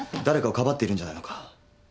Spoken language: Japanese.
誰かをかばっているんじゃないのか？